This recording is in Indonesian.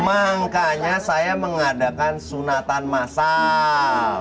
makanya saya mengadakan sunatan masal